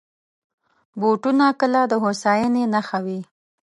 بوټونه کله د هوساینې نښه وي.